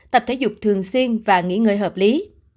tập thể dục thường xuyên và nghỉ ngơi hợp lý